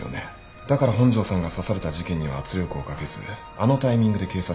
だから本庄さんが刺された事件には圧力をかけずあのタイミングで警察に踏み込ませた。